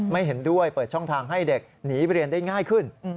เห็นด้วยเปิดช่องทางให้เด็กหนีเรียนได้ง่ายขึ้น